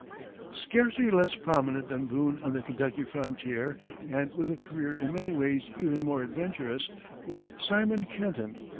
Scarcely less prominent than Boone on the Kentucky frontier, and with a career in many ways even more adventurous, was Simon Kenton.